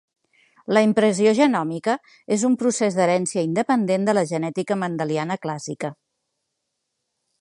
La impressió genòmica és un procés d'herència independent de la genètica mendeliana clàssica